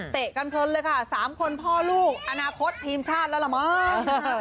กันเพลินเลยค่ะ๓คนพ่อลูกอนาคตทีมชาติแล้วล่ะมั้ง